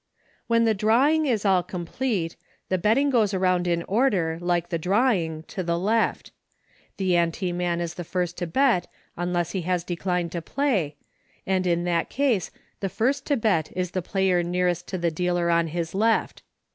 \Then the drawing is all complete, the bet ting goes around in order, like the drawing, to the left. The ante man is the first to bet unless he has dec lined to play, and in that case the first to bet is the player nearest to t dealer on his left.